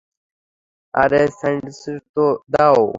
আরে স্যান্ডউইচটা তো দাও।